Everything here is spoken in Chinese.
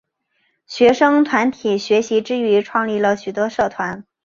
学生团体学习之余创立了许多社团。